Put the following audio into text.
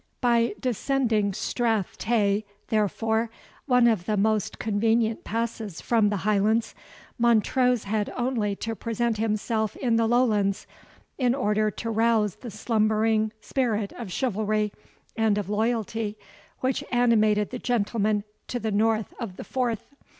By descending Strath Tay, therefore, one of the most convenient passes from the Highlands, Montrose had only to present himself in the Lowlands, in order to rouse the slumbering spirit of chivalry and of loyalty which animated the gentlemen to the north of the Forth.